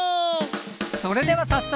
それでは早速。